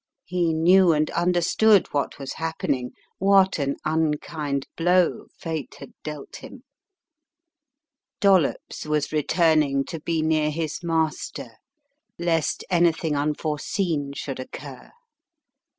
He knew and understood what was happen ing, what an unkind blow Fate had dealt him. Dollops was returning to be near his master, lest anything unforeseen should occur.